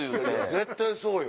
絶対そうよ。